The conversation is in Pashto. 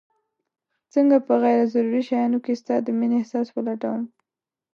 څنګه په غير ضروري شيانو کي ستا د مينې احساس ولټوم